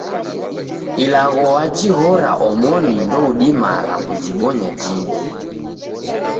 Ilagho wajighora omoni ndoudimagha kujibonya jingi.